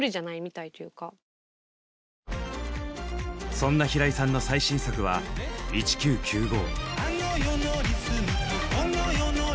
そんな平井さんの最新作は「１９９５」。